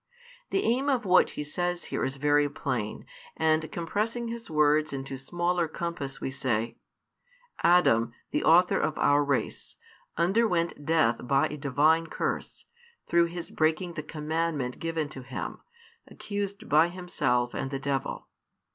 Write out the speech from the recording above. The aim of what He says here is very plain, and compressing His words into smaller compass we say: Adam, the author of our race, underwent death by a Divine curse, through his breaking the commandment given to him, accused by himself and the devil.